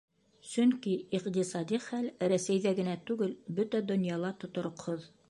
Сөнки иҡтисади хәл Рәсәйҙә генә түгел, бөтә донъяла тотороҡһоҙ.